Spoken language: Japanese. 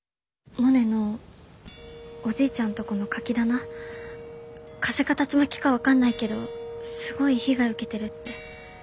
モネのおじいちゃんとこのカキ棚風か竜巻か分かんないけどすごい被害受けてるって。